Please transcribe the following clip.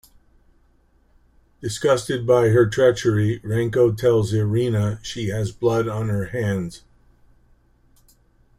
Disgusted by her treachery, Renko tells Irina she has blood on her hands.